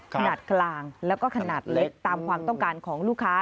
ขนาดกลางแล้วก็ขนาดเล็กตามความต้องการของลูกค้า